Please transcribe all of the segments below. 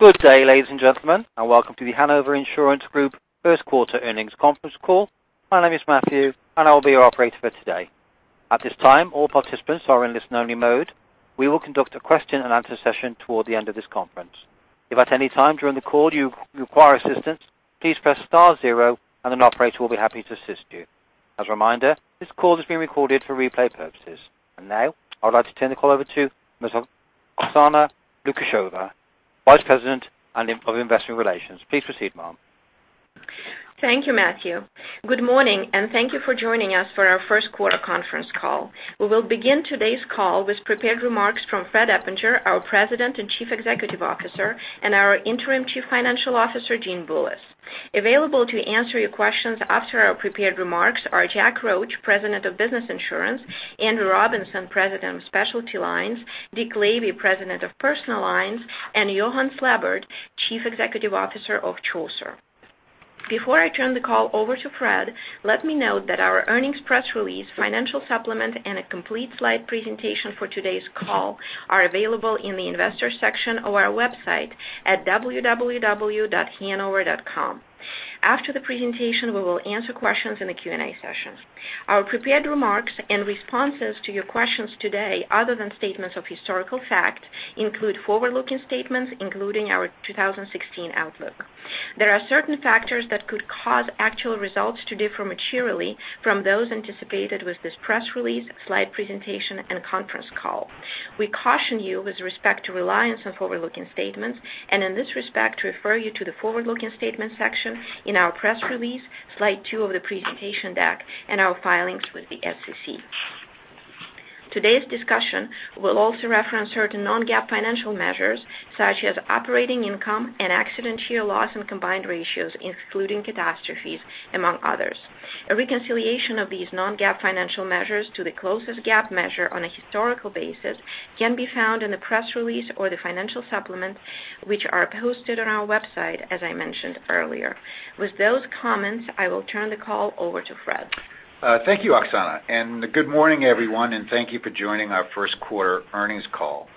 Good day, ladies and gentlemen, welcome to The Hanover Insurance Group first quarter earnings conference call. My name is Matthew, and I will be your operator for today. At this time, all participants are in listen only mode. We will conduct a question and answer session toward the end of this conference. If at any time during the call you require assistance, please press star zero and an operator will be happy to assist you. As a reminder, this call is being recorded for replay purposes. Now I'd like to turn the call over to Ms. Oksana Lukasheva, Vice President of Investor Relations. Please proceed, ma'am. Thank you, Matthew. Good morning, thank you for joining us for our first quarter conference call. We will begin today's call with prepared remarks from Fred Eppinger, our President and Chief Executive Officer, and our interim Chief Financial Officer, Gene Bullis. Available to answer your questions after our prepared remarks are Jack Roach, President of Business Insurance, Andrew Robinson, President of Specialty Lines, Dick Lavey, President of Personal Lines, and Johan Slabbert, Chief Executive Officer of Chaucer. Before I turn the call over to Fred, let me note that our earnings press release, financial supplement, and a complete slide presentation for today's call are available in the investors section of our website at www.hanover.com. After the presentation, we will answer questions in the Q&A session. Our prepared remarks and responses to your questions today, other than statements of historical fact, include forward-looking statements, including our 2016 outlook. There are certain factors that could cause actual results to differ materially from those anticipated with this press release, slide two of the presentation deck, and our filings with the SEC. Today's discussion will also reference certain non-GAAP financial measures, such as operating income and accident year loss and combined ratios, including catastrophes, among others. A reconciliation of these non-GAAP financial measures to the closest GAAP measure on a historical basis can be found in the press release or the financial supplement, which are posted on our website, as I mentioned earlier. With those comments, I will turn the call over to Fred. Thank you, Oksana, good morning, everyone, thank you for joining our first quarter earnings call.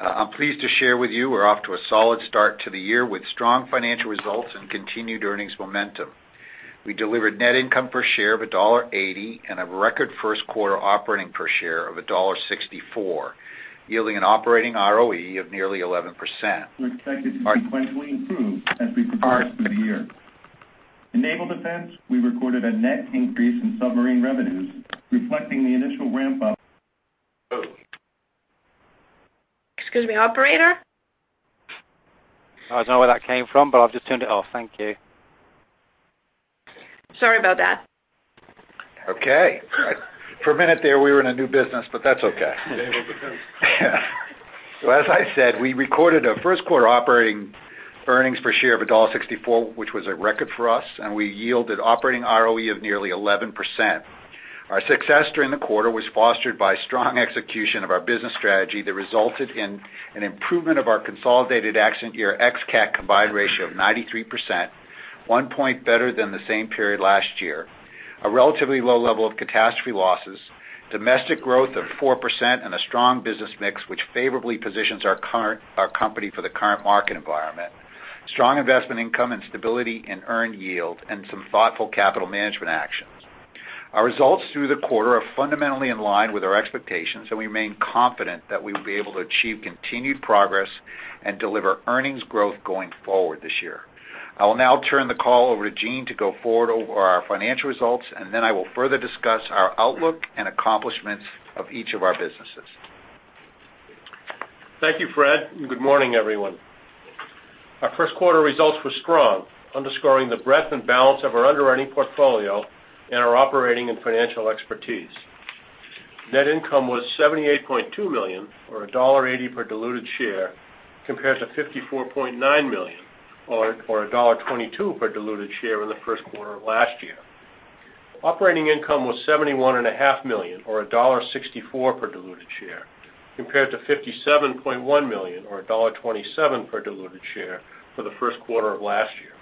I'm pleased to share with you we're off to a solid start to the year with strong financial results and continued earnings momentum. We delivered net income per share of $1.80 and a record first quarter operating per share of $1.64, yielding an operating ROE of nearly 11%, which are expected to sequentially improve as we progress through the year. In Naval Defense, we recorded a net increase in submarine revenues, reflecting the initial ramp up. Excuse me, operator? I don't know where that came from, but I've just turned it off. Thank you. Sorry about that. Okay. For a minute there, we were in a new business, but that's okay. Naval defense. Yeah. As I said, we recorded a first quarter operating earnings per share of $1.64, which was a record for us, and we yielded operating ROE of nearly 11%. Our success during the quarter was fostered by strong execution of our business strategy that resulted in an improvement of our consolidated accident year ex-CAT combined ratio of 93%, one point better than the same period last year, a relatively low level of catastrophe losses, domestic growth of 4%, and a strong business mix, which favorably positions our company for the current market environment, strong investment income and stability in earned yield, and some thoughtful capital management actions. Our results through the quarter are fundamentally in line with our expectations, and we remain confident that we will be able to achieve continued progress and deliver earnings growth going forward this year. I will now turn the call over to Gene to go forward over our financial results, and then I will further discuss our outlook and accomplishments of each of our businesses. Thank you, Fred, and good morning, everyone. Our first quarter results were strong, underscoring the breadth and balance of our underwriting portfolio and our operating and financial expertise. Net income was $78.2 million, or $1.80 per diluted share, compared to $54.9 million, or $1.22 per diluted share in the first quarter of last year. Operating income was $71.5 million, or $1.64 per diluted share, compared to $57.1 million or $1.27 per diluted share for the first quarter of last year.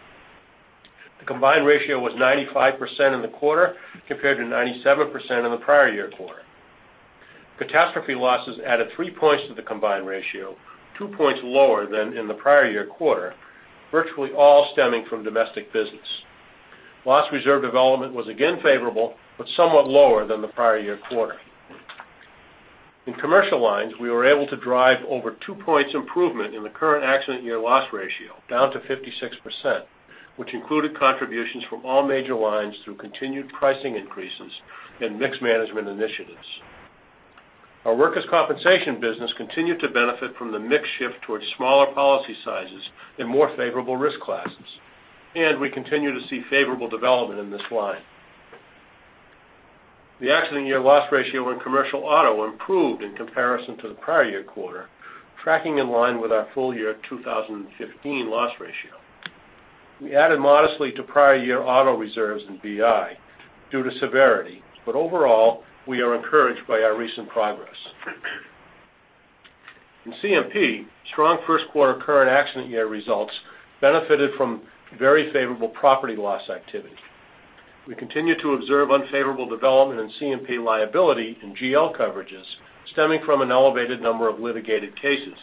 The combined ratio was 95% in the quarter, compared to 97% in the prior year quarter. Catastrophe losses added three points to the combined ratio, two points lower than in the prior year quarter, virtually all stemming from domestic business. Loss reserve development was again favorable but somewhat lower than the prior year quarter. In commercial lines, we were able to drive over two points improvement in the current accident year loss ratio down to 56%, which included contributions from all major lines through continued pricing increases and mixed management initiatives. Our workers' compensation business continued to benefit from the mix shift towards smaller policy sizes and more favorable risk classes, and we continue to see favorable development in this line. The accident year loss ratio in commercial auto improved in comparison to the prior year quarter, tracking in line with our full year 2015 loss ratio. We added modestly to prior year auto reserves in BI due to severity, but overall, we are encouraged by our recent progress. In CMP, strong first quarter current accident year results benefited from very favorable property loss activity. We continue to observe unfavorable development in CMP liability in GL coverages stemming from an elevated number of litigated cases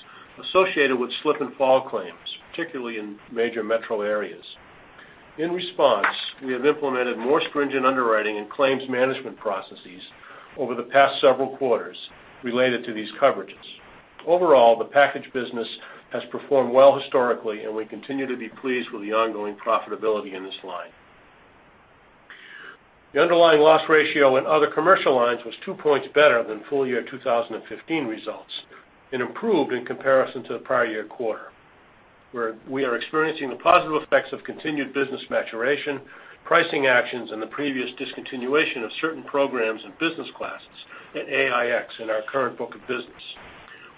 associated with slip and fall claims, particularly in major metro areas. In response, we have implemented more stringent underwriting and claims management processes over the past several quarters related to these coverages. Overall, the package business has performed well historically, and we continue to be pleased with the ongoing profitability in this line. The underlying loss ratio in other commercial lines was two points better than full year 2015 results and improved in comparison to the prior year quarter, where we are experiencing the positive effects of continued business maturation, pricing actions, and the previous discontinuation of certain programs and business classes at AIX in our current book of business.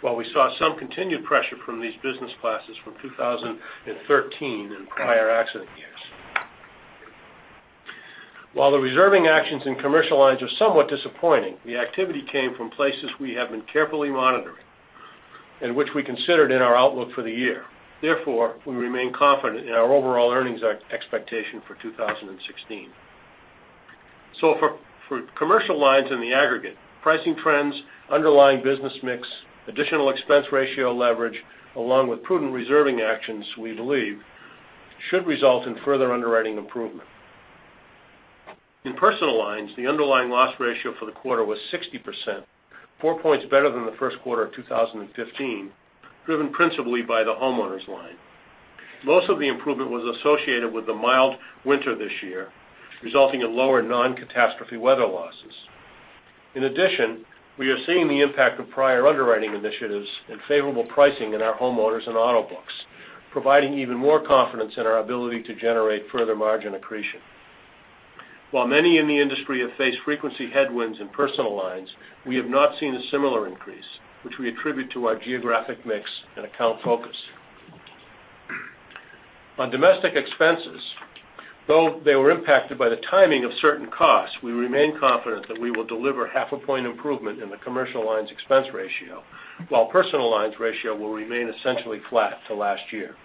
While we saw some continued pressure from these business classes from 2013 and prior accident years. While the reserving actions in commercial lines are somewhat disappointing, the activity came from places we have been carefully monitoring and which we considered in our outlook for the year. Therefore, we remain confident in our overall earnings expectation for 2016. For commercial lines in the aggregate, pricing trends, underlying business mix, additional expense ratio leverage, along with prudent reserving actions, we believe should result in further underwriting improvement. In personal lines, the underlying loss ratio for the quarter was 60%, four points better than the first quarter of 2015, driven principally by the homeowners line. Most of the improvement was associated with the mild winter this year, resulting in lower non-catastrophe weather losses. In addition, we are seeing the impact of prior underwriting initiatives and favorable pricing in our homeowners and auto books, providing even more confidence in our ability to generate further margin accretion. While many in the industry have faced frequency headwinds in personal lines, we have not seen a similar increase, which we attribute to our geographic mix and account focus. On domestic expenses, though they were impacted by the timing of certain costs, we remain confident that we will deliver half a point improvement in the commercial lines expense ratio, while personal lines ratio will remain essentially flat to last year.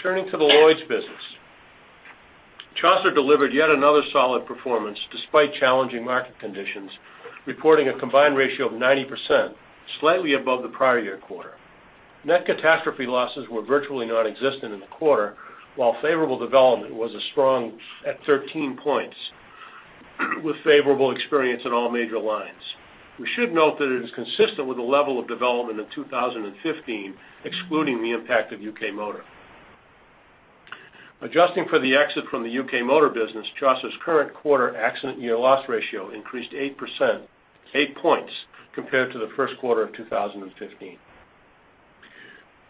Turning to the Lloyd's business. Chaucer delivered yet another solid performance despite challenging market conditions, reporting a combined ratio of 90%, slightly above the prior year quarter. Net catastrophe losses were virtually nonexistent in the quarter, while favorable development was a strong at 13 points with favorable experience in all major lines. We should note that it is consistent with the level of development in 2015, excluding the impact of U.K. motor. Adjusting for the exit from the UK motor business, Chaucer's current quarter accident year loss ratio increased eight points compared to the first quarter of 2015.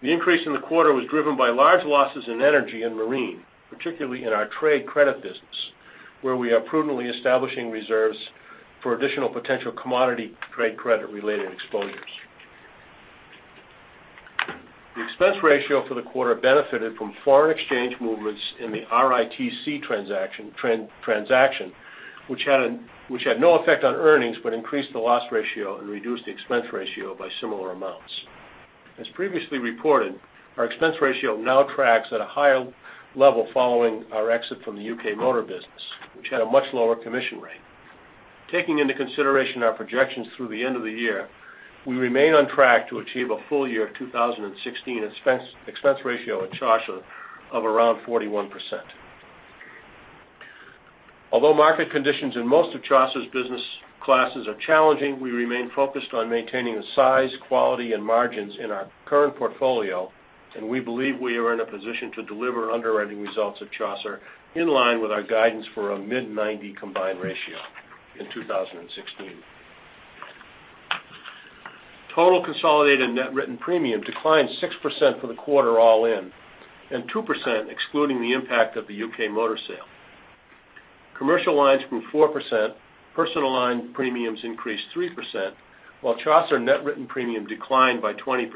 The increase in the quarter was driven by large losses in energy and marine, particularly in our trade credit business, where we are prudently establishing reserves for additional potential commodity trade credit related exposures. The expense ratio for the quarter benefited from foreign exchange movements in the RITC transaction, which had no effect on earnings but increased the loss ratio and reduced the expense ratio by similar amounts. As previously reported, our expense ratio now tracks at a higher level following our exit from the UK motor business, which had a much lower commission rate. Taking into consideration our projections through the end of the year, we remain on track to achieve a full year 2016 expense ratio at Chaucer of around 41%. Although market conditions in most of Chaucer's business classes are challenging, we remain focused on maintaining the size, quality, and margins in our current portfolio, and we believe we are in a position to deliver underwriting results at Chaucer in line with our guidance for a mid-90 combined ratio in 2016. Total consolidated net written premium declined 6% for the quarter all in, and 2% excluding the impact of the UK motor sale. Commercial lines grew 4%, personal line premiums increased 3%, while Chaucer net written premium declined by 20%.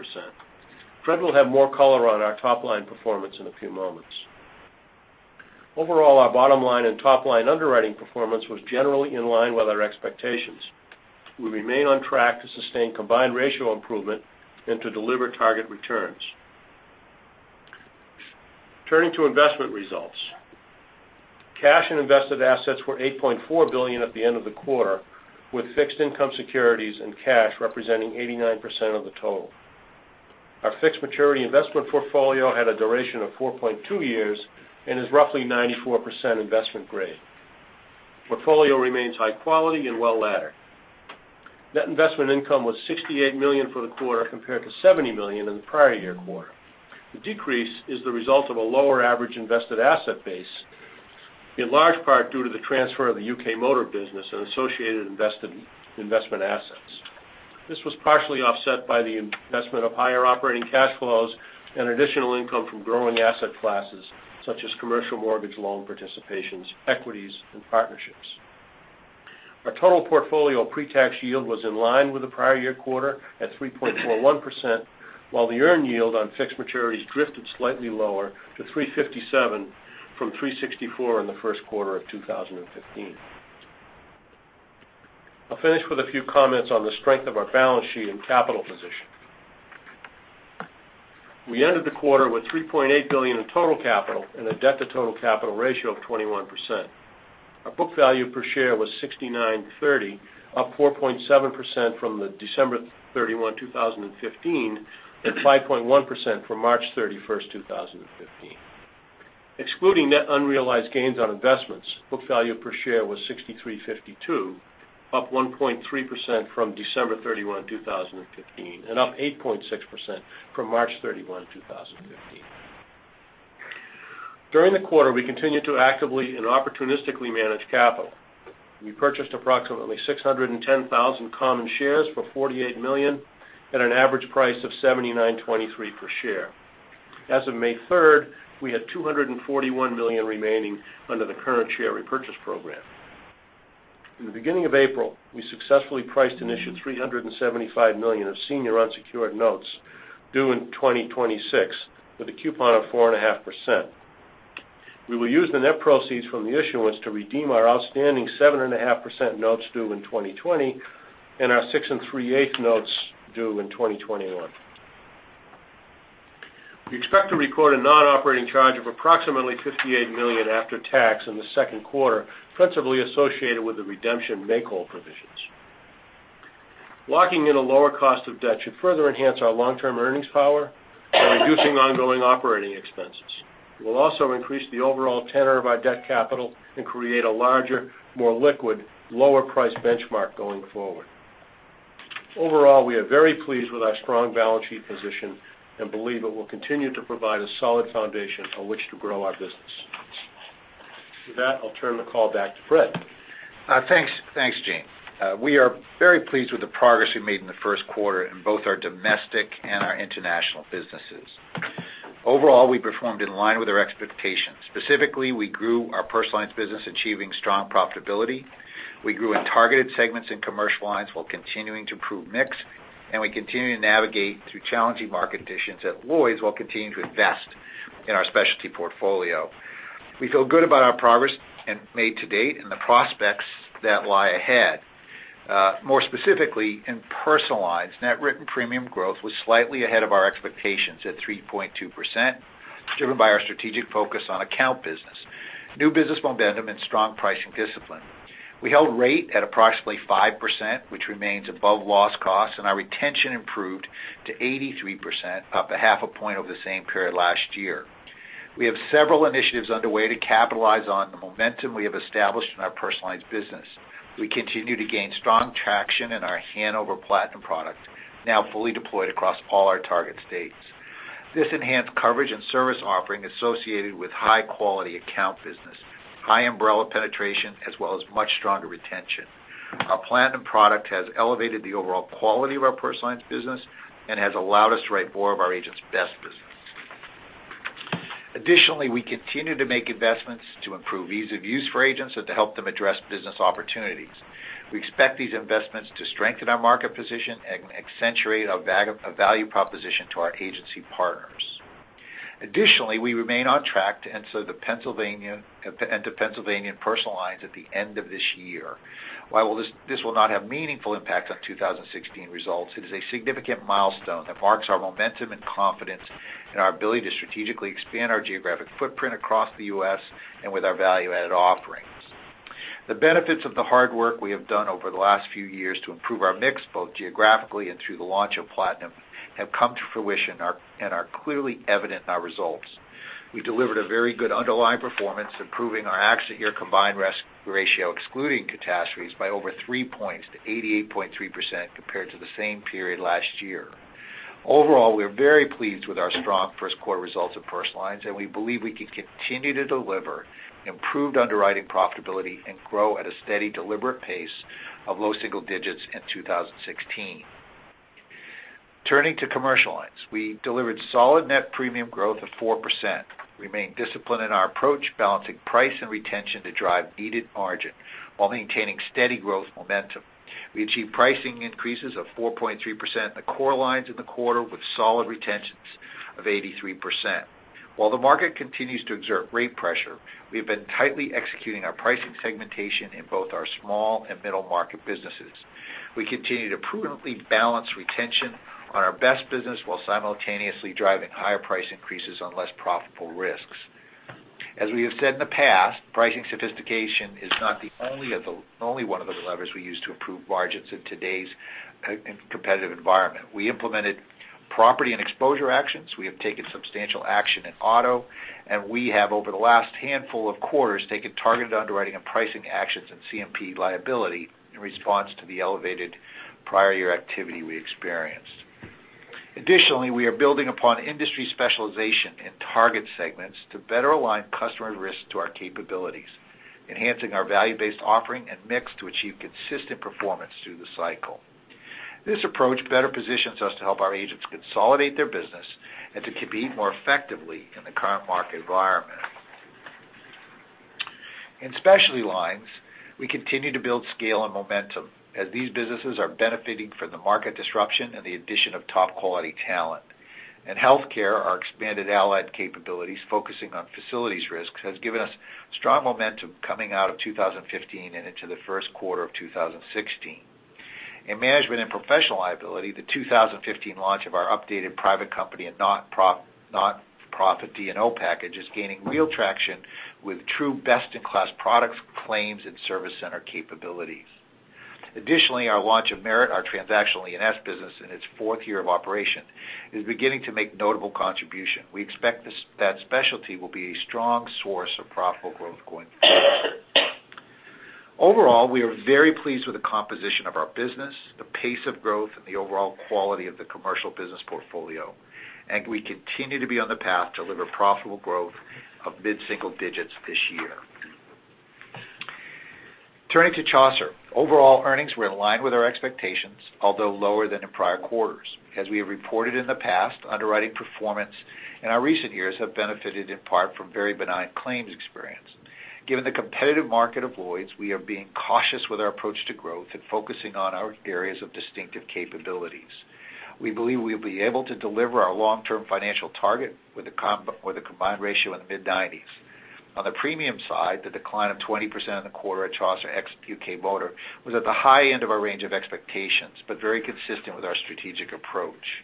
Fred will have more color on our top line performance in a few moments. Overall, our bottom line and top-line underwriting performance was generally in line with our expectations. We remain on track to sustain combined ratio improvement and to deliver target returns. Turning to investment results. Cash and invested assets were $8.4 billion at the end of the quarter, with fixed income securities and cash representing 89% of the total. Our fixed maturity investment portfolio had a duration of 4.2 years and is roughly 94% investment grade. Portfolio remains high quality and well-laddered. Net investment income was $68 million for the quarter, compared to $70 million in the prior year quarter. The decrease is the result of a lower average invested asset base, in large part due to the transfer of the UK motor business and associated investment assets. This was partially offset by the investment of higher operating cash flows and additional income from growing asset classes such as commercial mortgage loan participations, equities, and partnerships. Our total portfolio pretax yield was in line with the prior year quarter at 3.41%, while the earn yield on fixed maturities drifted slightly lower to 3.57% from 3.64% in the first quarter of 2015. I'll finish with a few comments on the strength of our balance sheet and capital position. We ended the quarter with $3.8 billion in total capital and a debt to total capital ratio of 21%. Our book value per share was $69.30, up 4.7% from the December 31, 2015, and 5.1% from March 31, 2015. Excluding net unrealized gains on investments, book value per share was $63.52, up 1.3% from December 31, 2015, and up 8.6% from March 31, 2015. During the quarter, we continued to actively and opportunistically manage capital. We purchased approximately 610,000 common shares for $48 million at an average price of $79.23 per share. As of May 3rd, we had $241 million remaining under the current share repurchase program. In the beginning of April, we successfully priced and issued $375 million of senior unsecured notes due in 2026 with a coupon of 4.5%. We will use the net proceeds from the issuance to redeem our outstanding 7.5% notes due in 2020 and our 6.38 notes due in 2021. We expect to record a non-operating charge of approximately $58 million after tax in the second quarter, principally associated with the redemption make-whole provisions. Locking in a lower cost of debt should further enhance our long-term earnings power by reducing ongoing operating expenses. It will also increase the overall tenor of our debt capital and create a larger, more liquid, lower price benchmark going forward. Overall, we are very pleased with our strong balance sheet position and believe it will continue to provide a solid foundation on which to grow our business. With that, I'll turn the call back to Fred. Thanks, Gene. We are very pleased with the progress we've made in the first quarter in both our domestic and our international businesses. Overall, we performed in line with our expectations. Specifically, we grew our personal lines business, achieving strong profitability. We grew in targeted segments in commercial lines while continuing to improve mix. We continue to navigate through challenging market conditions at Lloyd's while continuing to invest in our specialty portfolio. We feel good about our progress made to date and the prospects that lie ahead. More specifically, in personal lines, net written premium growth was slightly ahead of our expectations at 3.2%, driven by our strategic focus on account business, new business momentum, and strong pricing discipline. We held rate at approximately 5%, which remains above loss costs. Our retention improved to 83%, up a half a point over the same period last year. We have several initiatives underway to capitalize on the momentum we have established in our personal lines business. We continue to gain strong traction in our Hanover Platinum product, now fully deployed across all our target states. This enhanced coverage and service offering associated with high-quality account business, high umbrella penetration, as well as much stronger retention. Our Hanover Platinum product has elevated the overall quality of our personal lines business and has allowed us to write more of our agents' best business. Additionally, we continue to make investments to improve ease of use for agents and to help them address business opportunities. We expect these investments to strengthen our market position and accentuate our value proposition to our agency partners. Additionally, we remain on track to enter Pennsylvania personal lines at the end of this year. While this will not have meaningful impact on 2016 results, it is a significant milestone that marks our momentum and confidence in our ability to strategically expand our geographic footprint across the U.S. and with our value-added offerings. The benefits of the hard work we have done over the last few years to improve our mix, both geographically and through the launch of Platinum, have come to fruition and are clearly evident in our results. We delivered a very good underlying performance, improving our accident year combined ratio, excluding catastrophes, by over three points to 88.3% compared to the same period last year. Overall, we are very pleased with our strong first quarter results in personal lines, and we believe we can continue to deliver improved underwriting profitability and grow at a steady, deliberate pace of low single digits in 2016. Turning to commercial lines, we delivered solid net premium growth of 4%, remained disciplined in our approach, balancing price and retention to drive needed margin while maintaining steady growth momentum. We achieved pricing increases of 4.3% in the core lines in the quarter with solid retentions of 83%. While the market continues to exert rate pressure, we have been tightly executing our pricing segmentation in both our small and middle market businesses. We continue to prudently balance retention on our best business while simultaneously driving higher price increases on less profitable risks. As we have said in the past, pricing sophistication is not the only one of the levers we use to improve margins in today's competitive environment. We implemented property and exposure actions, we have taken substantial action in auto, and we have, over the last handful of quarters, taken targeted underwriting and pricing actions in CMP liability in response to the elevated prior year activity we experienced. Additionally, we are building upon industry specialization in target segments to better align customer risk to our capabilities, enhancing our value-based offering and mix to achieve consistent performance through the cycle. This approach better positions us to help our agents consolidate their business and to compete more effectively in the current market environment. In Specialty Lines, we continue to build scale and momentum as these businesses are benefiting from the market disruption and the addition of top-quality talent. In healthcare, our expanded allied capabilities focusing on facilities risks has given us strong momentum coming out of 2015 and into the first quarter of 2016. In management and professional liability, the 2015 launch of our updated private company and non-profit D&O package is gaining real traction with true best-in-class products, claims, and service center capabilities. Additionally, our launch of Merit, our transactional E&S business in its fourth year of operation, is beginning to make notable contribution. We expect that specialty will be a strong source of profitable growth going forward. Overall, we are very pleased with the composition of our business, the pace of growth, and the overall quality of the commercial business portfolio, and we continue to be on the path to deliver profitable growth of mid-single digits this year. Turning to Chaucer. Overall earnings were in line with our expectations, although lower than in prior quarters. As we have reported in the past, underwriting performance in our recent years have benefited in part from very benign claims experience. Given the competitive market avoids, we are being cautious with our approach to growth and focusing on our areas of distinctive capabilities. We believe we'll be able to deliver our long-term financial target with a combined ratio in the mid-90s. On the premium side, the decline of 20% in the quarter at Chaucer ex UK motor was at the high end of our range of expectations, but very consistent with our strategic approach.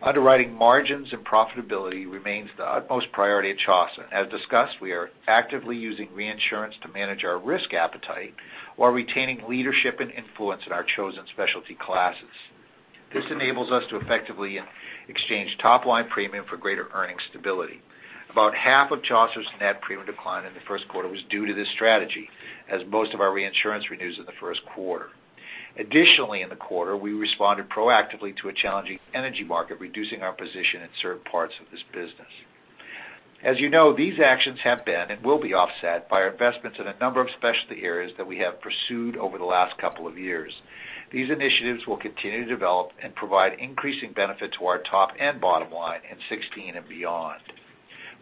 Underwriting margins and profitability remains the utmost priority at Chaucer. As discussed, we are actively using reinsurance to manage our risk appetite while retaining leadership and influence in our chosen specialty classes. This enables us to effectively exchange top-line premium for greater earning stability. About half of Chaucer's net premium decline in the first quarter was due to this strategy, as most of our reinsurance renews in the first quarter. Additionally, in the quarter, we responded proactively to a challenging energy market, reducing our position in certain parts of this business. As you know, these actions have been and will be offset by our investments in a number of specialty areas that we have pursued over the last couple of years. These initiatives will continue to develop and provide increasing benefit to our top and bottom line in 2016 and beyond.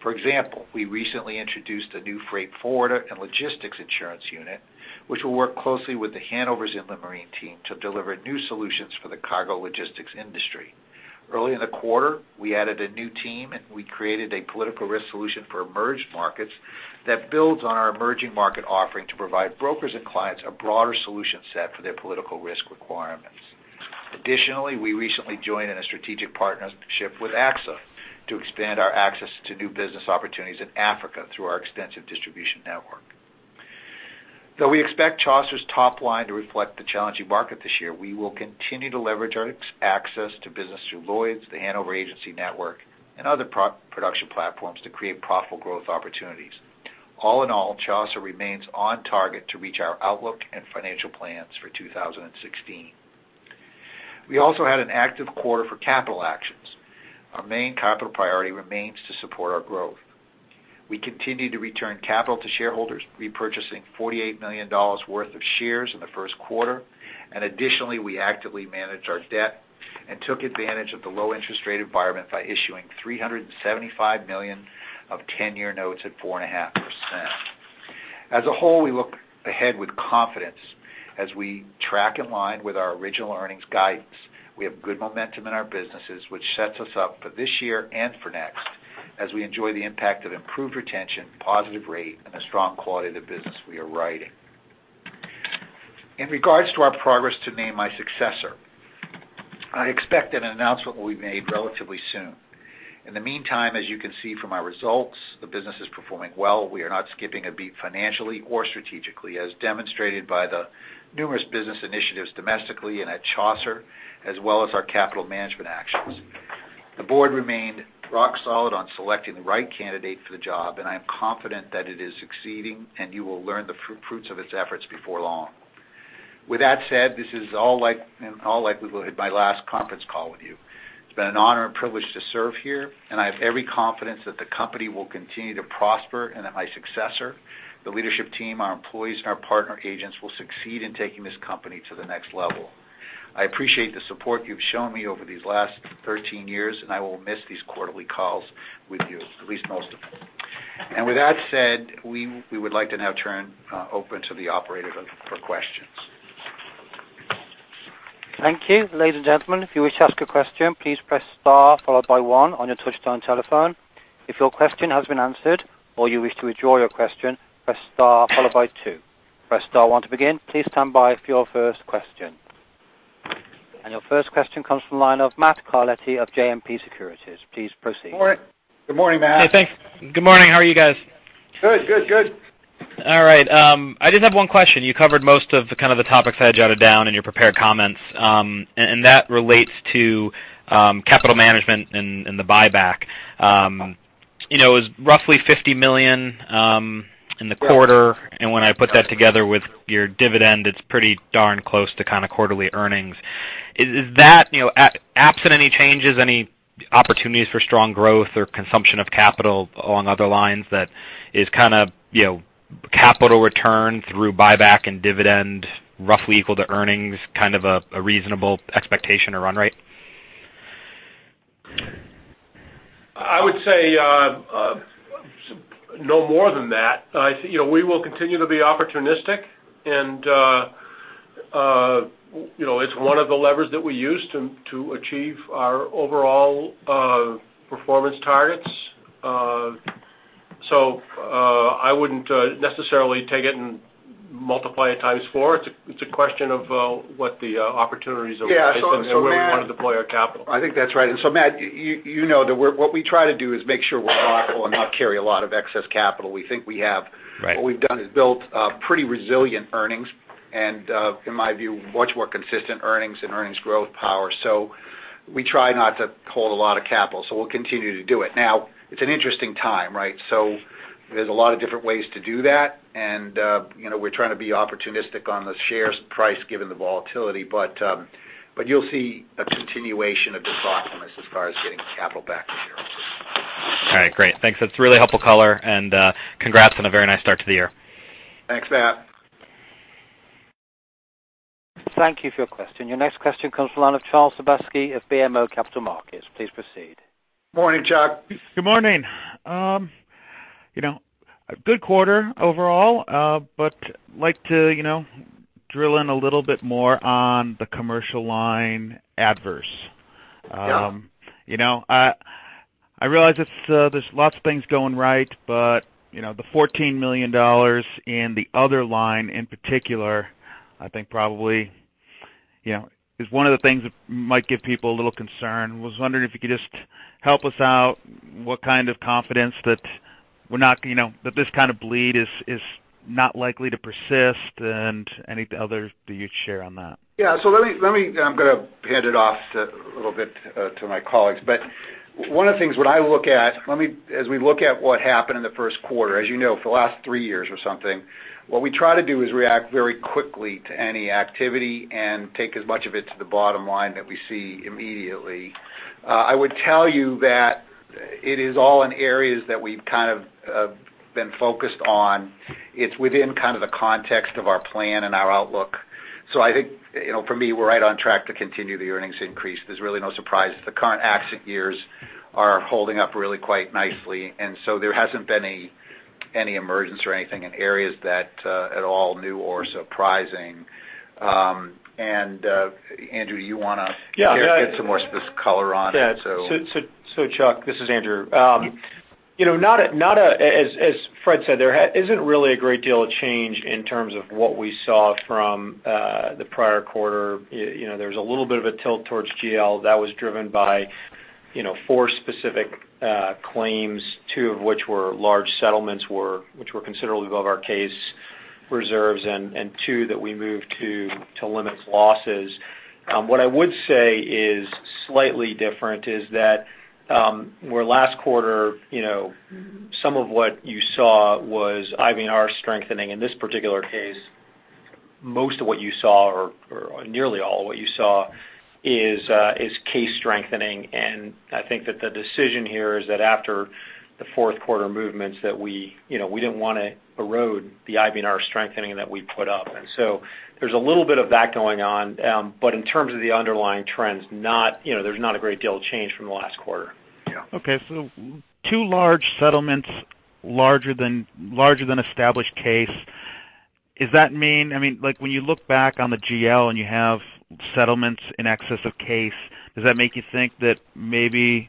For example, we recently introduced a new freight forwarder and logistics insurance unit, which will work closely with The Hanover's inland marine team to deliver new solutions for the cargo logistics industry. Early in the quarter, we added a new team, and we created a political risk solution for emerged markets that builds on our emerging market offering to provide brokers and clients a broader solution set for their political risk requirements. Additionally, we recently joined in a strategic partnership with AXA to expand our access to new business opportunities in Africa through our extensive distribution network. Though we expect Chaucer's top line to reflect the challenging market this year, we will continue to leverage our access to business through Lloyd's, the Hanover Agency network, and other production platforms to create profitable growth opportunities. All in all, Chaucer remains on target to reach our outlook and financial plans for 2016. We also had an active quarter for capital actions. Our main capital priority remains to support our growth. We continue to return capital to shareholders, repurchasing $48 million worth of shares in the first quarter. Additionally, we actively manage our debt and took advantage of the low interest rate environment by issuing $375 million of 10-year notes at 4.5%. As a whole, we look ahead with confidence as we track in line with our original earnings guidance. We have good momentum in our businesses, which sets us up for this year and for next, as we enjoy the impact of improved retention, positive rate, and the strong quality of the business we are writing. In regards to our progress to name my successor, I expect that an announcement will be made relatively soon. In the meantime, as you can see from our results, the business is performing well. We are not skipping a beat financially or strategically, as demonstrated by the numerous business initiatives domestically and at Chaucer, as well as our capital management actions. The board remained rock solid on selecting the right candidate for the job, and I am confident that it is succeeding, and you will learn the fruits of its efforts before long. With that said, this is all likely my last conference call with you. It's been an honor and privilege to serve here, and I have every confidence that the company will continue to prosper and that my successor, the leadership team, our employees, and our partner agents will succeed in taking this company to the next level. I appreciate the support you've shown me over these last 13 years, and I will miss these quarterly calls with you, at least most of them. With that said, we would like to now turn open to the operator for questions. Thank you. Ladies and gentlemen, if you wish to ask a question, please press star followed by one on your touch-tone telephone. If your question has been answered or you wish to withdraw your question, press star followed by two. Press star one to begin. Please stand by for your first question. Your first question comes from the line of Matthew Carletti of JMP Securities. Please proceed. Good morning, Matt. Hey, thanks. Good morning. How are you guys? Good. All right. I did have one question. You covered most of the topics I had jotted down in your prepared comments, and that relates to capital management and the buyback. It was roughly $50 million in the quarter, and when I put that together with your dividend, it's pretty darn close to kind of quarterly earnings. Is that, absent any changes, any opportunities for strong growth or consumption of capital along other lines that is kind of capital return through buyback and dividend roughly equal to earnings, kind of a reasonable expectation or run rate? I would say no more than that. We will continue to be opportunistic, and it's one of the levers that we use to achieve our overall performance targets. I wouldn't necessarily take it and multiply it times four. It's a question of what the opportunities are. Yeah. Where we want to deploy our capital. I think that's right. Matt, you know that what we try to do is make sure we're thoughtful and not carry a lot of excess capital. We think we have. Right. What we've done is built pretty resilient earnings and, in my view, much more consistent earnings and earnings growth power. We try not to hold a lot of capital, we'll continue to do it. Now, it's an interesting time, right? There's a lot of different ways to do that, and we're trying to be opportunistic on the share price given the volatility, but you'll see a continuation of this thoughtfulness as far as getting capital back to shareholders. All right, great. Thanks. That's really helpful color and congrats on a very nice start to the year. Thanks, Matt. Thank you for your question. Your next question comes from the line of Charles Sebaski of BMO Capital Markets. Please proceed. Morning, Chuck. Good morning. A good quarter overall, but like to drill in a little bit more on the commercial line adverse. Sure. I realize there's lots of things going right, but the $14 million in the other line in particular, I think probably, is one of the things that might give people a little concern. I was wondering if you could just help us out, what kind of confidence that this kind of bleed is not likely to persist, and any others that you'd share on that? Yeah. I'm going to hand it off a little bit to my colleagues. One of the things when I look at, as we look at what happened in the first quarter, as you know, for the last three years or something, what we try to do is react very quickly to any activity and take as much of it to the bottom line that we see immediately. I would tell you that it is all in areas that we've kind of been focused on. It's within kind of the context of our plan and our outlook. I think, for me, we're right on track to continue the earnings increase. There's really no surprise. The current accident years are holding up really quite nicely, and so there hasn't been any emergence or anything in areas that at all new or surprising. Andrew, do you want to- Yeah give some more specific color on it? Yeah. Chuck, this is Andrew. As Fred said, there isn't really a great deal of change in terms of what we saw from the prior quarter. There's a little bit of a tilt towards GL that was driven by four specific claims, two of which were large settlements which were considerably above our case reserves and two that we moved to limit losses. What I would say is slightly different is that where last quarter, some of what you saw was IBNR strengthening. In this particular case, most of what you saw, or nearly all of what you saw is case strengthening. I think that the decision here is that after the fourth quarter movements, that we didn't want to erode the IBNR strengthening that we put up. There's a little bit of that going on. In terms of the underlying trends, there's not a great deal of change from last quarter. Yeah. Two large settlements, larger than established case. When you look back on the GL and you have settlements in excess of case, does that make you think that maybe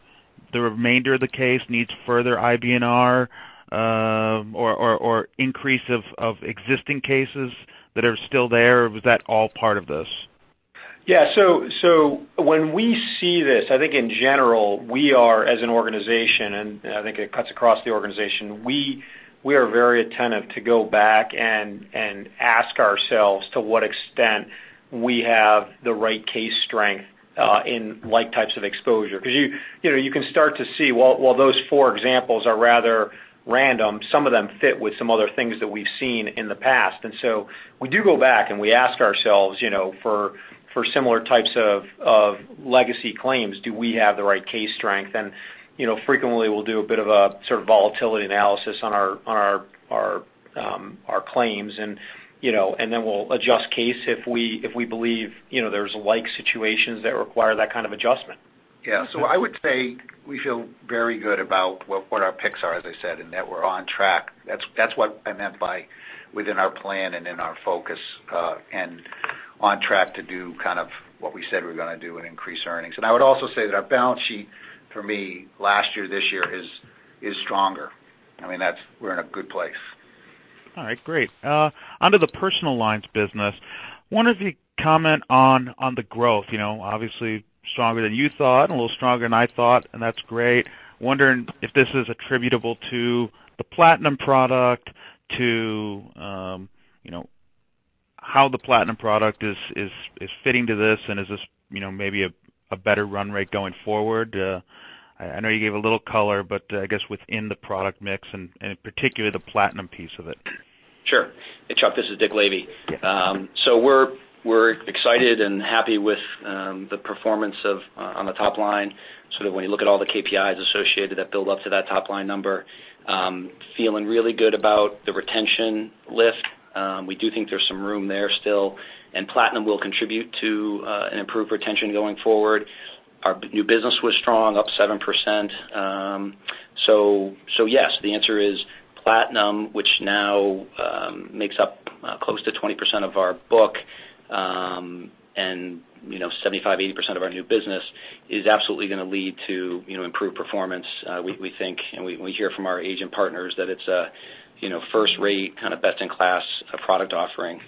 the remainder of the case needs further IBNR or increase of existing cases that are still there? Or was that all part of this? When we see this, I think in general, we are as an organization, and I think it cuts across the organization. We are very attentive to go back and ask ourselves to what extent we have the right case strength in like types of exposure. Because you can start to see while those four examples are rather random, some of them fit with some other things that we've seen in the past. We do go back, and we ask ourselves for similar types of legacy claims, do we have the right case strength? Frequently, we'll do a bit of a sort of volatility analysis on our claims, and then we'll adjust case if we believe there's like situations that require that kind of adjustment. I would say we feel very good about what our picks are, as I said, and that we're on track. That's what I meant by within our plan and in our focus, and on track to do kind of what we said we're going to do and increase earnings. I would also say that our balance sheet for me last year, this year is stronger. I mean, we're in a good place. Onto the personal lines business. Wonder if you comment on the growth. Obviously stronger than you thought, a little stronger than I thought. That's great. Wondering if this is attributable to the Platinum product, to how the Platinum product is fitting to this, and is this maybe a better run rate going forward? I guess within the product mix and in particular, the Platinum piece of it. Sure. Hey, Chuck, this is Dick Lavey. We're excited and happy with the performance on the top line, sort of when you look at all the KPIs associated that build up to that top-line number. Feeling really good about the retention lift. We do think there's some room there still, and Platinum will contribute to an improved retention going forward. Our new business was strong, up 7%. Yes, the answer is Platinum, which now makes up close to 20% of our book, and 75%-80% of our new business, is absolutely going to lead to improved performance, we think. We hear from our agent partners that it's a first-rate, kind of best-in-class product offering.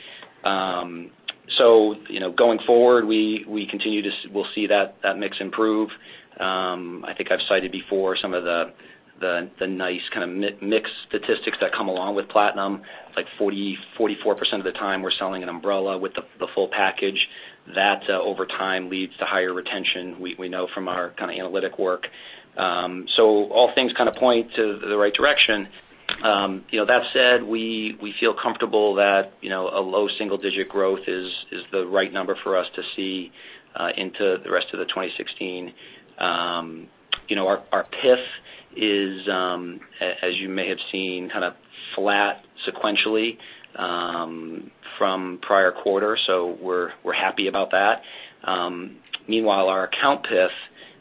Going forward, we'll see that mix improve. I think I've cited before some of the nice kind of mix statistics that come along with Platinum. It's like 44% of the time we're selling an umbrella with the full package. That, over time, leads to higher retention, we know from our kind of analytic work. All things kind of point to the right direction. That said, we feel comfortable that a low single-digit growth is the right number for us to see into the rest of 2016. Our PIF is, as you may have seen, kind of flat sequentially from prior quarter. We're happy about that. Meanwhile, our account PIF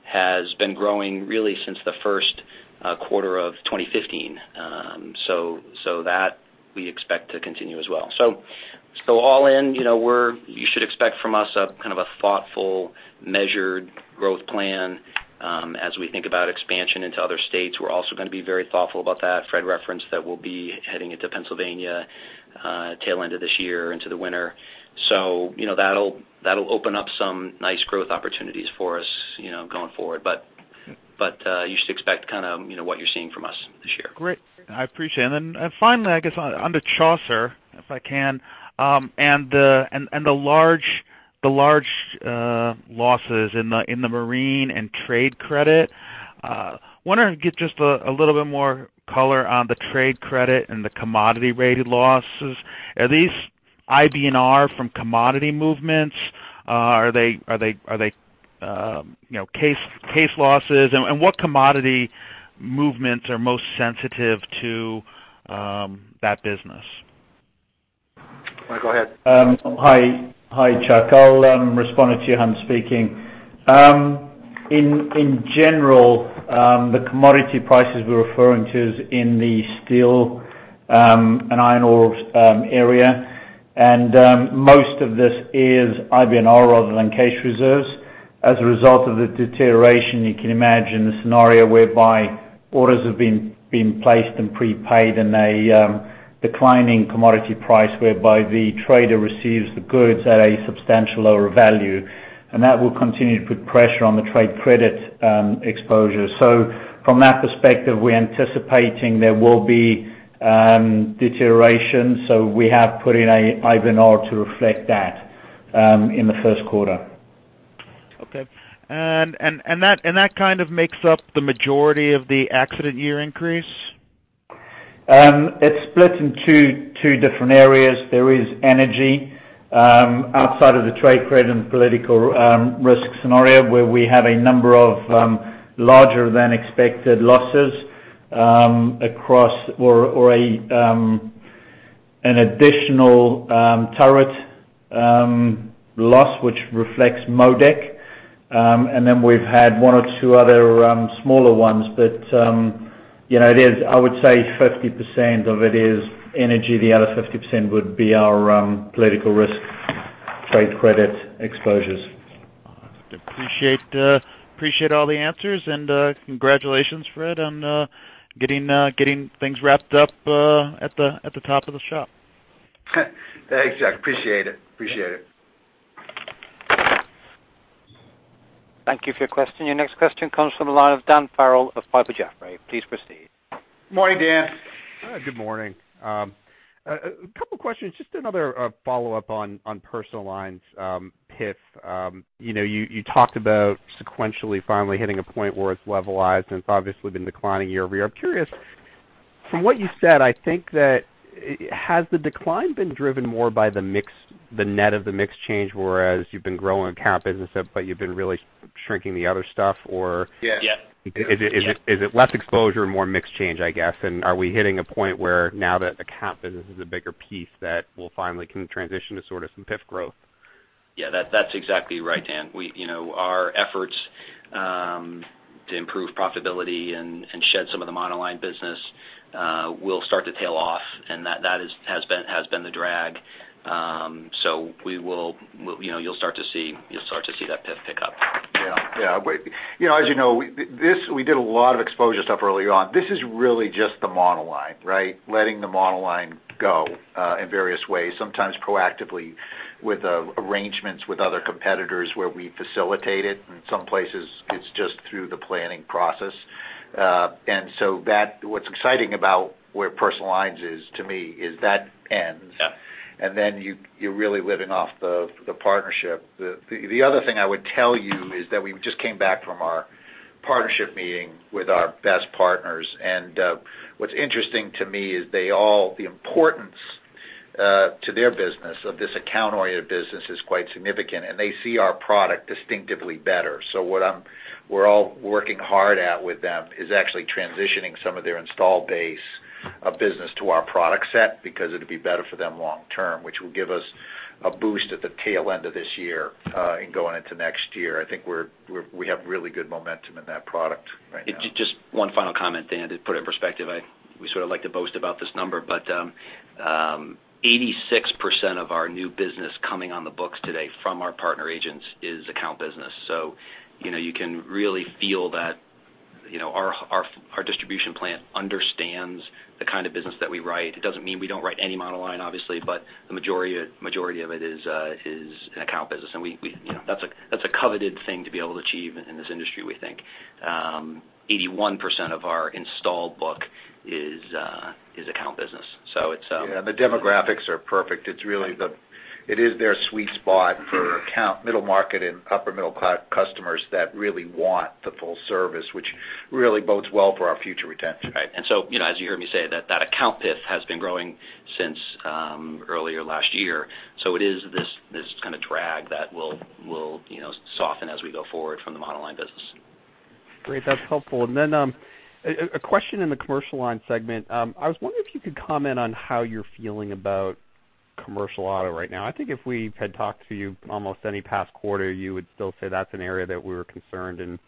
has been growing really since the first quarter of 2015. That we expect to continue as well. All in, you should expect from us a kind of a thoughtful, measured growth plan. As we think about expansion into other states, we're also going to be very thoughtful about that. Fred referenced that we'll be heading into Pennsylvania tail end of this year into the winter. That'll open up some nice growth opportunities for us going forward. You should expect kind of what you're seeing from us this year. Great. I appreciate it. Finally, I guess on the Chaucer, if I can, and the large losses in the marine and trade credit. Wondering if you could give just a little bit more color on the trade credit and the commodity-rated losses. Are these IBNR from commodity movements? Are they case losses? What commodity movements are most sensitive to that business? You want me to go ahead? Hi, Chuck. I'll respond to Johan speaking. In general, the commodity prices we're referring to is in the steel, and iron ore area. Most of this is IBNR rather than case reserves. As a result of the deterioration, you can imagine the scenario whereby orders have been placed and prepaid, and a declining commodity price, whereby the trader receives the goods at a substantial lower value. That will continue to put pressure on the trade credit exposure. From that perspective, we're anticipating there will be deterioration. We have put in IBNR to reflect that in the first quarter. Okay. That kind of makes up the majority of the accident year increase? It's split in two different areas. There is energy outside of the trade credit and political risk scenario, where we have a number of larger than expected losses across or an additional turret loss, which reflects MODEC. We've had one or two other smaller ones, but I would say 50% of it is energy. The other 50% would be our political risk trade credit exposures. Appreciate all the answers and congratulations, Fred, on getting things wrapped up at the top of the shop. Thanks, Charles. Appreciate it. Thank you for your question. Your next question comes from the line of Daniel Farrell of Piper Jaffray. Please proceed. Morning, Dan. Good morning. A couple questions, just another follow-up on personal lines PIF. You talked about sequentially finally hitting a point where it's levelized, and it's obviously been declining year-over-year. I'm curious, from what you said, I think that, has the decline been driven more by the net of the mix change, whereas you've been growing account business stuff, but you've been really shrinking the other stuff, or- Yes. Yes Is it less exposure, more mix change, I guess? Are we hitting a point where now that account business is a bigger piece that will finally can transition to sort of some PIF growth? Yeah. That's exactly right, Dan. Our efforts to improve profitability and shed some of the monoline business will start to tail off, that has been the drag. You'll start to see that PIF pick up. Yeah. As you know, we did a lot of exposure stuff early on. This is really just the monoline, right? Letting the monoline go, in various ways, sometimes proactively with arrangements with other competitors where we facilitate it. In some places, it's just through the planning process. What's exciting about where personal lines is to me is that ends. Yeah. You're really living off the partnership. The other thing I would tell you is that we just came back from our partnership meeting with our best partners, and what's interesting to me is the importance to their business of this account-oriented business is quite significant, and they see our product distinctively better. What we're all working hard at with them is actually transitioning some of their install base A business to our product set because it'd be better for them long term, which will give us a boost at the tail end of this year, and going into next year. I think we have really good momentum in that product right now. Just one final comment, Dan, to put it in perspective. We sort of like to boast about this number, 86% of our new business coming on the books today from our partner agents is account business. You can really feel that our distribution plan understands the kind of business that we write. It doesn't mean we don't write any monoline, obviously, but the majority of it is an account business. That's a coveted thing to be able to achieve in this industry, we think. 81% of our installed book is account business. It's. Yeah. The demographics are perfect. It is their sweet spot for account middle market and upper middle customers that really want the full service, which really bodes well for our future retention. Right. As you heard me say that that account PIF has been growing since, earlier last year. It is this kind of drag that will soften as we go forward from the monoline business. Great. That's helpful. A question in the commercial line segment. I was wondering if you could comment on how you're feeling about commercial auto right now. I think if we had talked to you almost any past quarter, you would still say that's an area that we were concerned and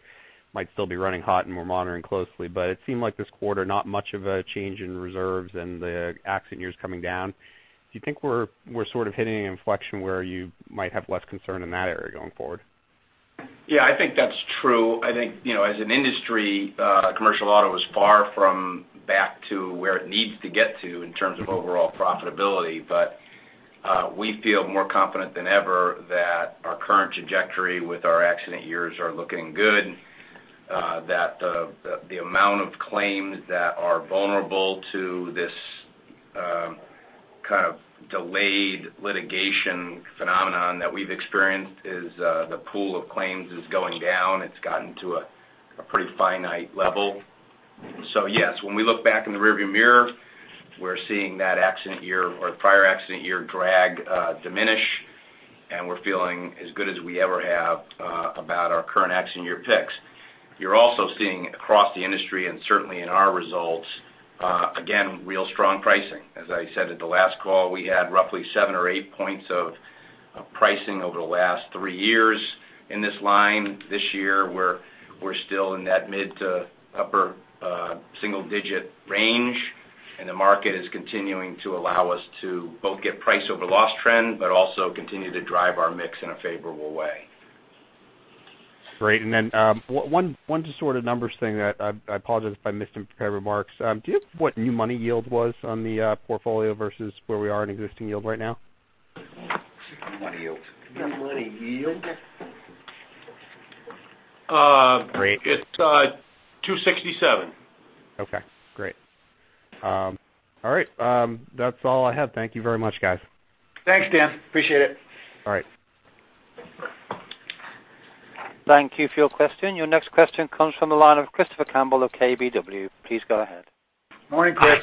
might still be running hot and we're monitoring closely. It seemed like this quarter, not much of a change in reserves and the accident years coming down. Do you think we're sort of hitting an inflection where you might have less concern in that area going forward? Yeah, I think that's true. I think, as an industry, commercial auto is far from back to where it needs to get to in terms of overall profitability. We feel more confident than ever that our current trajectory with our accident years are looking good, that the amount of claims that are vulnerable to this kind of delayed litigation phenomenon that we've experienced is the pool of claims is going down. It's gotten to a pretty finite level. Yes, when we look back in the rearview mirror, we're seeing that accident year or prior accident year drag diminish, and we're feeling as good as we ever have about our current accident year picks. You're also seeing across the industry and certainly in our results, again, real strong pricing. As I said at the last call, we had roughly 7 or 8 points of pricing over the last 3 years in this line. This year, we're still in that mid to upper single-digit range, the market is continuing to allow us to both get price over loss trend, also continue to drive our mix in a favorable way. Great. One just sort of numbers thing that I apologize if I missed in prepared remarks. Do you have what new money yield was on the portfolio versus where we are in existing yield right now? New money yield. New money yield. Great. It's 267. Okay, great. All right, that's all I have. Thank you very much, guys. Thanks, Dan. Appreciate it. All right. Thank you for your question. Your next question comes from the line of Christopher Campbell of KBW. Please go ahead. Morning, Chris.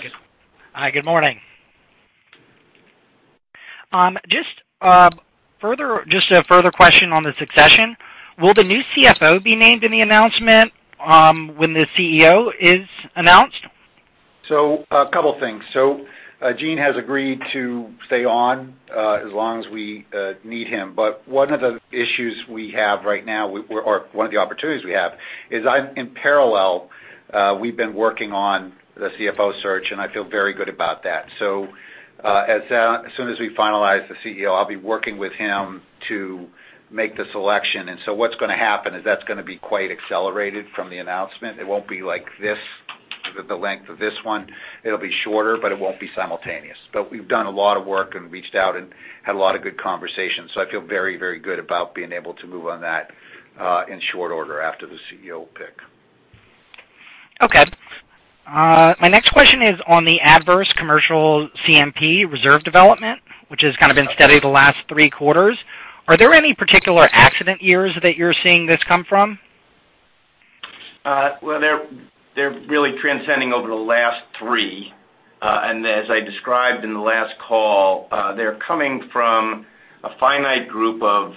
Hi, good morning. Just a further question on the succession. Will the new CFO be named in the announcement, when the CEO is announced? A couple things. Gene has agreed to stay on, as long as we need him. One of the issues we have right now, or one of the opportunities we have, is in parallel, we've been working on the CFO search, and I feel very good about that. As soon as we finalize the CEO, I'll be working with him to make the selection. What's going to happen is that's going to be quite accelerated from the announcement. It won't be like the length of this one. It'll be shorter, but it won't be simultaneous. We've done a lot of work and reached out and had a lot of good conversations. I feel very, very good about being able to move on that, in short order after the CEO pick. Okay. My next question is on the adverse commercial CMP reserve development, which has kind of been steady the last three quarters. Are there any particular accident years that you're seeing this come from? They're really transcending over the last three. As I described in the last call, they're coming from a finite group of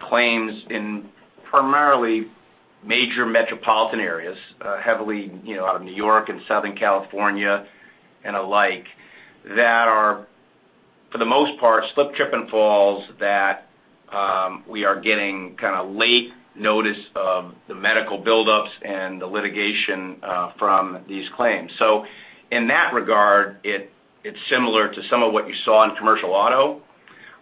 claims in primarily major metropolitan areas, heavily out of New York and Southern California and alike, that are, for the most part, slip, trip, and falls that, we are getting kind of late notice of the medical buildups and the litigation from these claims. In that regard, it's similar to some of what you saw in commercial auto.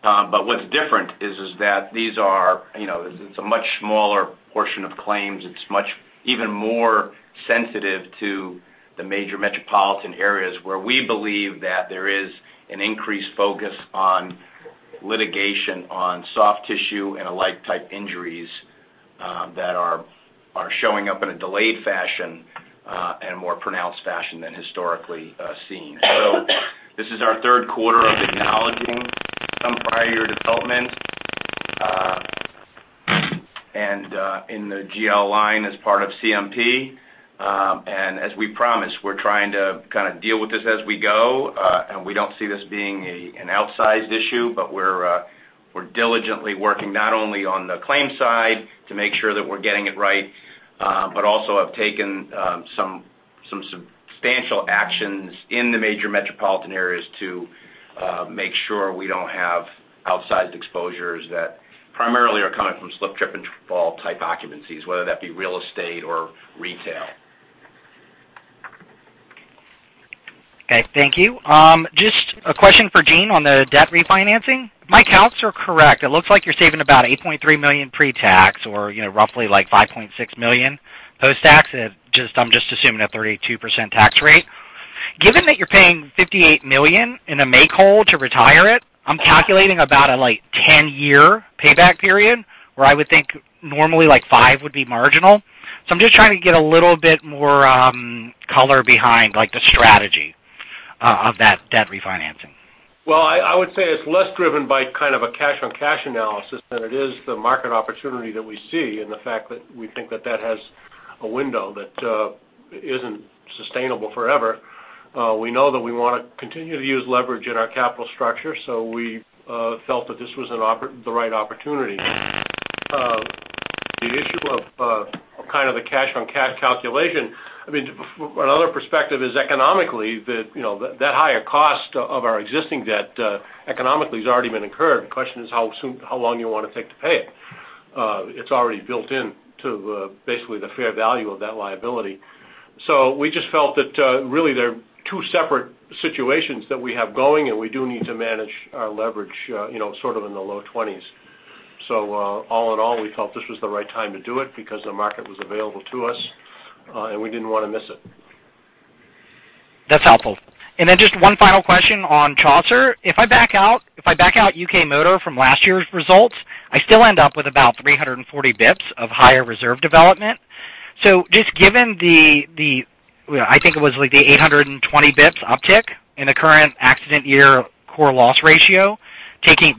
What's different is that these are a much smaller portion of claims. It's even more sensitive to the major metropolitan areas where we believe that there is an increased focus on litigation on soft tissue and alike type injuries, that are showing up in a delayed fashion, and more pronounced fashion than historically seen. This is our third quarter of acknowledging some prior year development, in the GL line as part of CMP. As we promised, we're trying to kind of deal with this as we go. We don't see this being an outsized issue, but We're diligently working not only on the claims side to make sure that we're getting it right, but also have taken some substantial actions in the major metropolitan areas to make sure we don't have outsized exposures that primarily are coming from slip, trip, and fall type occupancies, whether that be real estate or retail. Okay, thank you. Just a question for Gene on the debt refinancing. If my counts are correct, it looks like you're saving about $8.3 million pre-tax or roughly $5.6 million post-tax. I'm just assuming a 32% tax rate. Given that you're paying $58 million in a make whole to retire it, I'm calculating about a 10-year payback period, where I would think normally five would be marginal. I'm just trying to get a little bit more color behind the strategy of that debt refinancing. Well, I would say it's less driven by kind of a cash-on-cash analysis than it is the market opportunity that we see and the fact that we think that that has a window that isn't sustainable forever. We know that we want to continue to use leverage in our capital structure, we felt that this was the right opportunity. The issue of kind of the cash-on-cash calculation, another perspective is economically that higher cost of our existing debt economically has already been incurred. The question is how long you want to take to pay it. It's already built in to basically the fair value of that liability. We just felt that really they're two separate situations that we have going, and we do need to manage our leverage sort of in the low 20s. All in all, we felt this was the right time to do it because the market was available to us, and we didn't want to miss it. That's helpful. Just one final question on Chaucer. If I back out UK Motor from last year's results, I still end up with about 340 basis points of higher reserve development. Just given the, I think it was the 820 basis points uptick in the current accident year core loss ratio,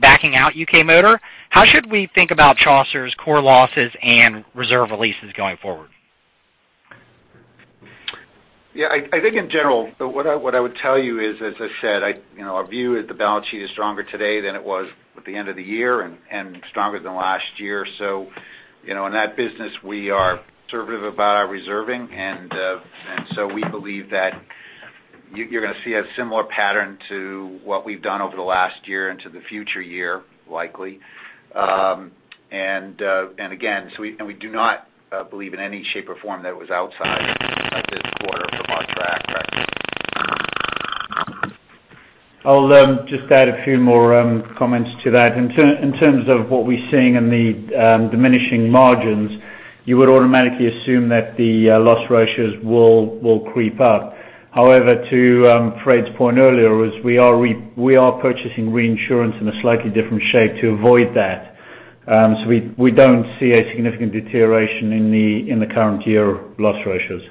backing out UK Motor, how should we think about Chaucer's core losses and reserve releases going forward? I think in general, what I would tell you is, as I said, our view is the balance sheet is stronger today than it was at the end of the year and stronger than last year. In that business, we are conservative about our reserving. We believe that you're going to see a similar pattern to what we've done over the last year into the future year, likely. Again, we do not believe in any shape or form that was outside of this quarter from our track record. I'll just add a few more comments to that. In terms of what we're seeing in the diminishing margins, you would automatically assume that the loss ratios will creep up. However, to Fred's point earlier was we are purchasing reinsurance in a slightly different shape to avoid that. We don't see a significant deterioration in the current year loss ratios.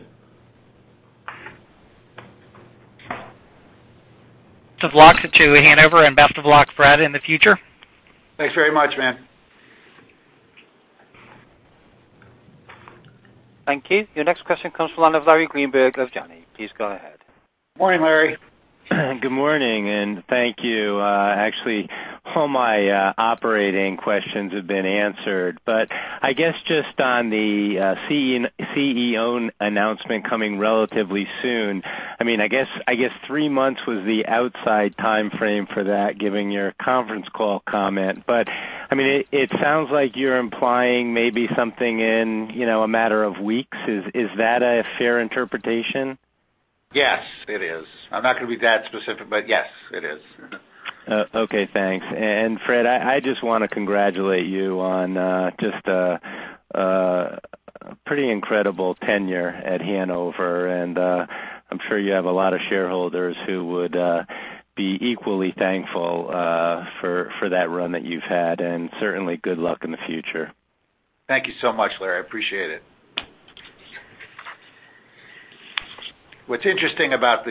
Best of luck to Hanover, best of luck, Fred, in the future. Thanks very much, man. Thank you. Your next question comes from the line of Larry Greenberg of Janney. Please go ahead. Morning, Larry. Good morning, and thank you. Actually, all my operating questions have been answered. I guess just on the CEO announcement coming relatively soon, I guess three months was the outside timeframe for that, given your conference call comment. It sounds like you're implying maybe something in a matter of weeks. Is that a fair interpretation? Yes, it is. I'm not going to be that specific, but yes, it is. Okay, thanks. Fred, I just want to congratulate you on just a pretty incredible tenure at Hanover, and I'm sure you have a lot of shareholders who would be equally thankful for that run that you've had, and certainly good luck in the future. Thank you so much, Larry. I appreciate it. What's interesting about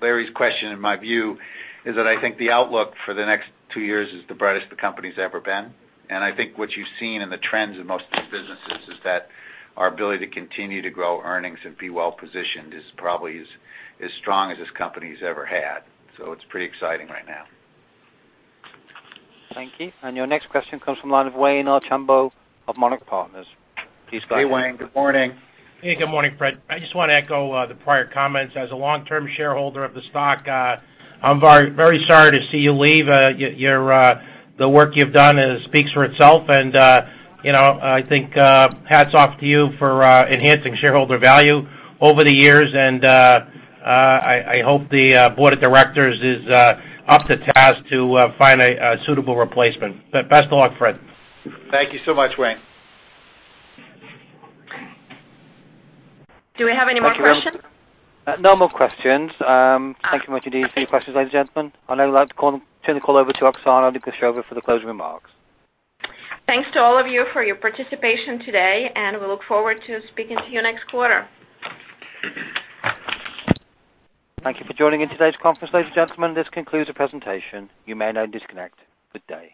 Larry's question, in my view, is that I think the outlook for the next two years is the brightest the company's ever been. I think what you've seen in the trends in most of these businesses is that our ability to continue to grow earnings and be well-positioned is probably as strong as this company's ever had. It's pretty exciting right now. Thank you. Your next question comes from the line of Wayne Archambault of Monarch Partners. Please go ahead. Hey, Wayne. Good morning. Hey, good morning, Fred. I just want to echo the prior comments. As a long-term shareholder of the stock, I'm very sorry to see you leave. The work you've done speaks for itself, and I think hats off to you for enhancing shareholder value over the years, and I hope the board of directors is up to task to find a suitable replacement. Best of luck, Fred. Thank you so much, Wayne. Do we have any more questions? No more questions. Thank you. Much indeed for your questions, ladies and gentlemen. I'd like to turn the call over to Oksana Lukasheva for the closing remarks. Thanks to all of you for your participation today, and we look forward to speaking to you next quarter. Thank you for joining in today's conference, ladies and gentlemen. This concludes the presentation. You may now disconnect. Good day.